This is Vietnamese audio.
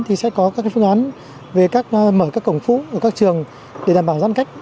thì sẽ có các phương án về mở các cổng phủ các trường để đảm bảo gian cách